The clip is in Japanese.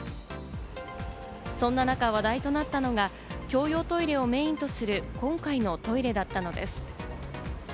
そんな中、話題となったのが共用トイレをメインとする、今回のトイレだったのです。